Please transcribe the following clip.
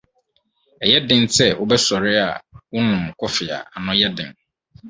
Ɛyɛ den sɛ wobɛsɔre a wonnom kɔfe a ano yɛ den.